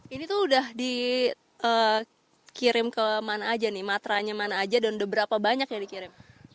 ini tuh udah dikirim ke mana aja nih matranya mana aja dan udah berapa banyak yang dikirim